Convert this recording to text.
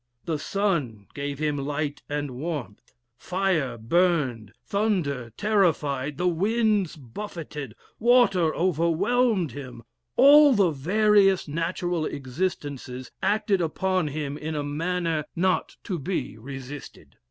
The sun gave him light and warmth; fire burned, thunder terrified, the winds buffeted, water overwhelmed him; all the various natural existences acted upon him in a manner not to be resisted.